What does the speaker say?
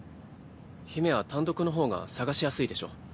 姫は単独の方が捜しやすいでしょう。